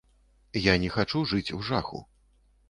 Я не хачу жыць у жаху.